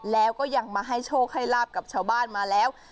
แล้วก็ยังมาให้โชคให้ลาบกับชาวบ้านมาแล้ว